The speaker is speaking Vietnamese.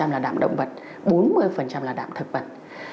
sáu mươi là đạm động vật bốn mươi là đạm thực vật